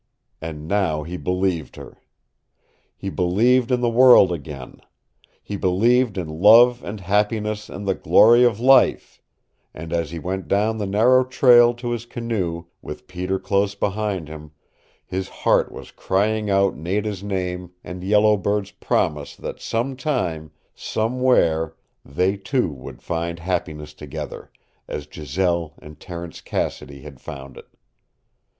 And now he believed her. He believed in the world again. He believed in love and happiness and the glory of life, and as he went down the narrow trail to his canoe, with Peter close behind him, his heart was crying out Nada's name and Yellow Bird's promise that sometime somewhere they two would find happiness together, as Giselle and Terence Cassidy had found it.